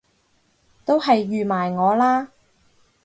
都係預埋我啦！